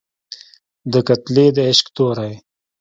ده کتلى د عشق تورى